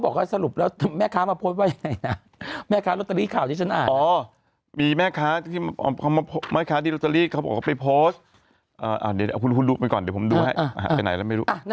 พ่อค้าแม่ขายมาซื้อเขามาขายกันนะคนไปซื้อไปเดียวร้อยหนึ่งนะ